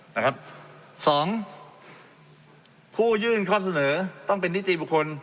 นะครับสองผู้ยื่นข้อเสนอต้องเป็นนิติบุคคล